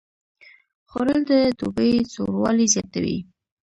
خوړل د دوبي سوړوالی زیاتوي